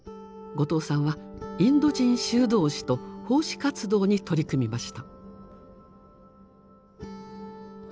後藤さんはインド人修道士と奉仕活動に取り組みました。